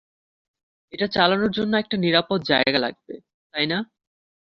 এটা চালানোর জন্য একটা নিরাপদ জায়গা লাগবে, তাই না?